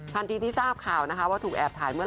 ที่ทราบข่าวนะคะว่าถูกแอบถ่ายเมื่อ